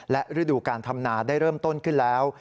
และฤดูการทำนาได้เริ่มต้นขึ้นแล้ว